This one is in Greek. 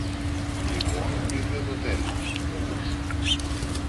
Λοιπόν, ήλθε το τέλος! μούγκρισε.